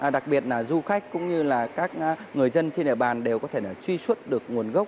đặc biệt là du khách cũng như là các người dân trên địa bàn đều có thể truy xuất được nguồn gốc